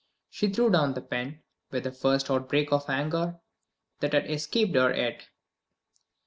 She threw down the pen, with the first outbreak of anger that had escaped her yet.